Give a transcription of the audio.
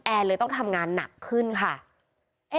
เลยต้องทำงานหนักขึ้นค่ะ